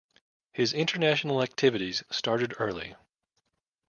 His international activities started early.